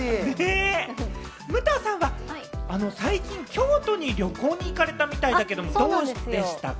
武藤さんは最近、京都に旅行に行かれたみたいだけれども、どうでしたか？